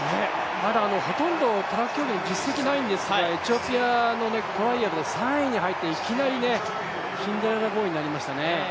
ほとんどトラック競技、実績ないんですがエチオピアのトライアルで３位に入っていきなりシンデレラボーイになりましたね。